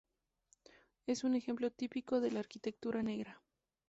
Es un ejemplo típico de la arquitectura negra.